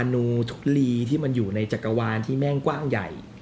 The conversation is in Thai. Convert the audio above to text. นูทุลีที่มันอยู่ในจักรวาลที่แม่งกว้างใหญ่